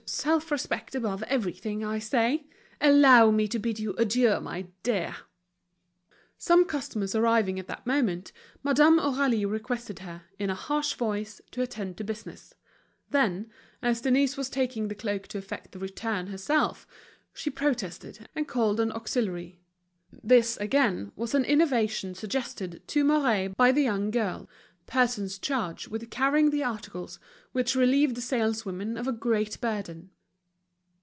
Self respect above everything, I say. Allow me to bid you adieu, my dear." Some customers arriving at that moment, Madame Aurélie requested her, in a harsh voice, to attend to business. Then, as Denise was taking the cloak to effect the "return" herself, she protested, and called an auxiliary. This, again, was an innovation suggested to Mouret by the young girl—persons charged with carrying the articles, which relieved the saleswomen of a great burden.